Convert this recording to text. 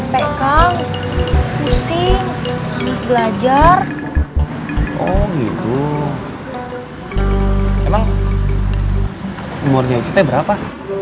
pusing misbelajar oh gitu emang umurnya berapa tujuh belas